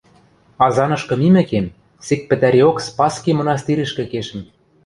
Азанышкы мимӹкем, сек пӹтӓриок Спасский мынастирӹшкӹ кешӹм.